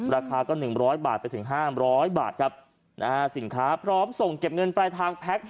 ราคาก็๑๐๐บาทไปถึงห้าม๑๐๐บาทครับสินค้าพร้อมส่งเก็บเงินไปทางแพ็ค